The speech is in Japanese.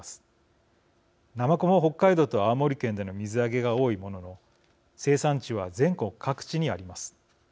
ナマコも北海道と青森県での水揚げが多いものの生産地は全国各地にあります。